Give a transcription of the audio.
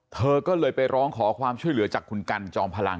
เธอก็เลยไปร้องขอความช่วยเหลือจากคุณกันจอมพลัง